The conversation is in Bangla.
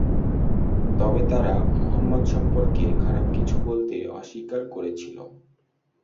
তবে তারা মুহাম্মাদ সম্পর্কে খারাপ কিছু বলতে অস্বীকার করেছিল।